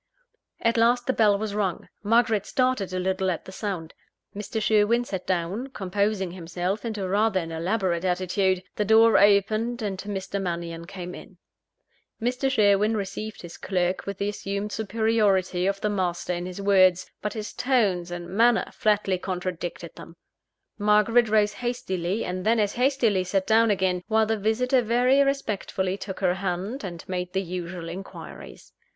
At last the bell was rung. Margaret started a little at the sound. Mr. Sherwin sat down; composing himself into rather an elaborate attitude the door opened, and Mr. Mannion came in. Mr. Sherwin received his clerk with the assumed superiority of the master in his words; but his tones and manner flatly contradicted them. Margaret rose hastily, and then as hastily sat down again, while the visitor very respectfully took her hand, and made the usual inquiries.